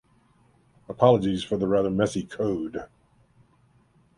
Apologies for the rather messy code